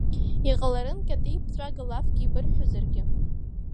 Иҟаларын кьатеиԥҵәага лафк еибырҳәозаргьы.